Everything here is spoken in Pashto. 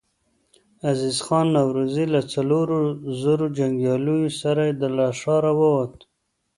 عزيز خان نورزی له څلورو زرو جنګياليو سره له ښاره ووت.